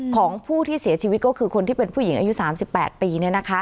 ของผู้ที่เสียชีวิตก็คือคนที่เป็นผู้หญิงอายุ๓๘ปี